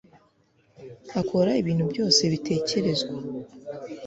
akora ibintu byose bitekerezwa